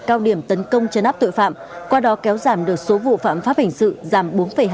cao điểm tấn công chấn áp tội phạm qua đó kéo giảm được số vụ phạm pháp hình sự giảm bốn hai